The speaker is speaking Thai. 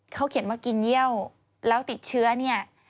เขาเขียนว่ากินเยี่ยวแล้วติดเชื้อเนี่ย